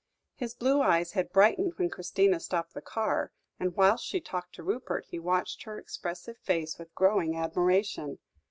His blue eyes had brightened when Christina stopped the car, and whilst she talked to Rupert, he watched her expressive face with growing admiration.